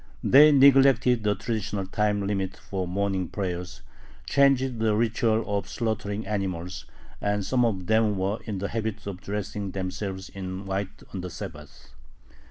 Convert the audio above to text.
They neglected the traditional time limit for morning prayers, changed the ritual of slaughtering animals, and some of them were in the habit of dressing themselves in white on the Sabbath.